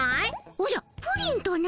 おじゃプリンとな？